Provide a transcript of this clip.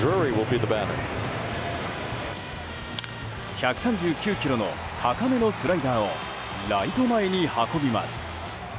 １３９キロの高めのスライダーをライト前に運びます。